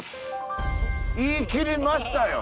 言い切りましたよ！